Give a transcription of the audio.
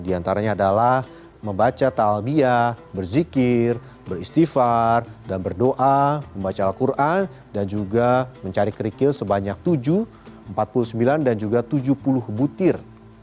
di antaranya adalah membaca ⁇ albiah berzikir beristighfar dan berdoa membaca al quran dan juga mencari kerikil sebanyak tujuh empat puluh sembilan dan juga tujuh puluh butir